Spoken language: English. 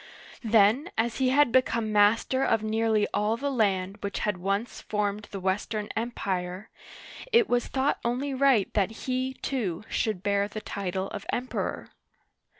Then as he had become master of nearly all the land which had once formed the Western Empire, it was thought only right that he, too, should bear the title of Emperor.